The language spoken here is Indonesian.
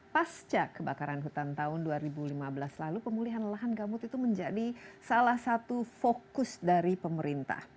pasca kebakaran hutan tahun dua ribu lima belas lalu pemulihan lahan gambut itu menjadi salah satu fokus dari pemerintah